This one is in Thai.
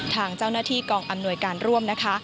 ทางเจ้าหน้าที่กองอำนวยการร่วมนะคะ